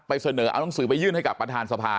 เสนอเอานังสือไปยื่นให้กับประธานสภา